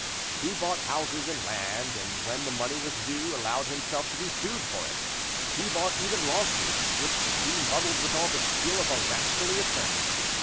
He bought houses and land, and when the money was due, allowed himself to be sued for it; he bought even lawsuits, which he muddled with all the skill of a rascally attorney.